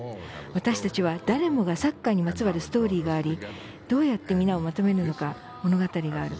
私たちは、誰もがサッカーにまつわるストーリーがありどうやって皆をまとめるのか物語がある。